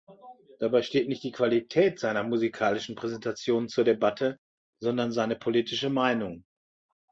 Dabei steht nicht die Qualität seiner musikalischen Präsentationen zur Debatte, sondern seine politische Meinung.